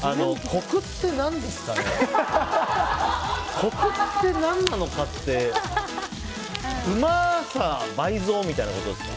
コクって何なのかってうまさ倍増みたいなことですか。